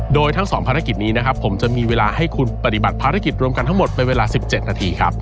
โดยทั้ง๒ภารกิจนี้นะครับผมจะมีเวลาให้คุณปฏิบัติภารกิจรวมกันทั้งหมดเป็นเวลา๑๗นาทีครับ